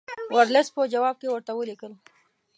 ورلسټ په جواب کې ورته ولیکل.